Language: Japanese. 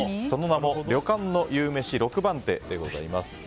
その名も旅館の夕飯６番手でございます。